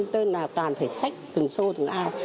tên là toàn phải sách từng sô từng ao